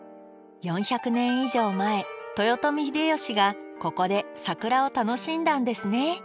４００年以上前豊臣秀吉がここで桜を楽しんだんですね。